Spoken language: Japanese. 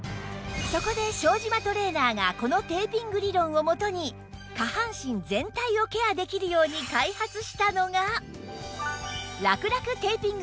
そこで庄島トレーナーがこのテーピング理論を元に下半身全体をケアできるように開発したのが